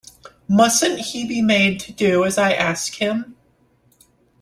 Mustn’t he be made to do as I ask him?